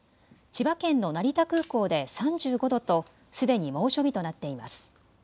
千葉県の成田空港で３５度とすでに猛暑日となっています。